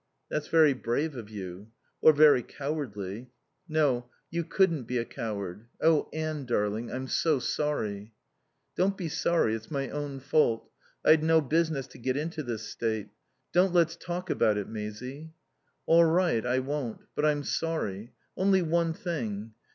"That's very brave of you." "Or very cowardly." "No. You couldn't be a coward.... Oh, Anne darling, I'm so sorry." "Don't be sorry. It's my own fault. I'd no business to get into this state. Don't let's talk about it, Maisie." "All right, I won't. But I'm sorry.... Only one thing.